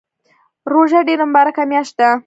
روژه ډیره مبارکه میاشت ده